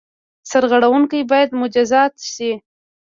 سرغړوونکي باید مجازات شي.